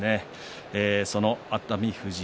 そんな熱海富士